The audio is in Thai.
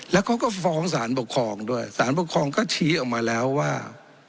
แล้วเขาก็ฟ้องสารปกครองด้วยสารปกครองก็ชี้ออกมาแล้วว่า